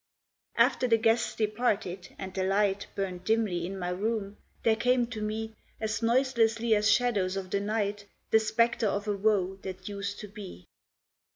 After the guests departed, and the light Burned dimly in my room, there came to me, As noiselessly as shadows of the night, The spectre of a woe that used to be.